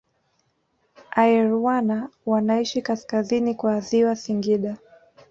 Airwana wanaishi kaskazini kwa ziwa Singida